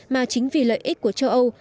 mà chính vì lợi ích của châu âu